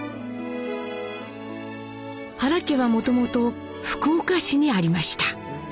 原家はもともと福岡市にありました。